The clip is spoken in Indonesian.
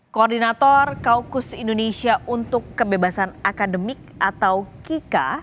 koordinator kaukus indonesia untuk kebebasan akademik atau kika